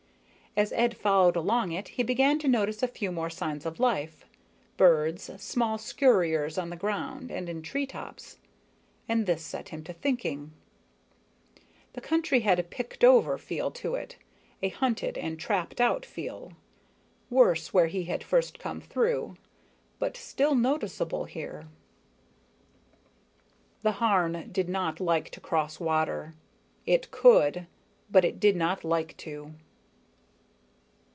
As Ed followed along it, he began to notice a few more signs of life birds, small scurriers on the ground and in tree tops and this set him thinking. The country had a picked over feel to it, a hunted and trapped out feel, worse where he had first come through, but still noticeable here. _The Harn did not like to cross water, it could, but it did not like to.